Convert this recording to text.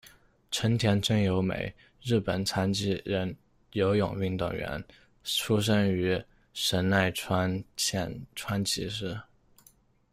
成田真由美，日本残疾人游泳运动员，出生于神奈川县川崎市。